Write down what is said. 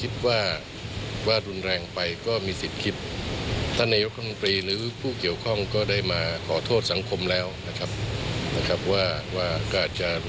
ถึงกรณีที่ออกมาขอโทษแทนตำรวจ